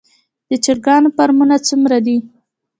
د چرګانو فارمونه څومره دي؟